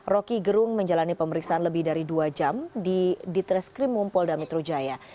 roky gerung menjalani pemeriksaan lebih dari dua jam di ditreskrim mumpol damitrujaya